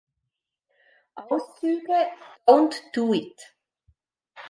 Auszüge: "Don't Do It!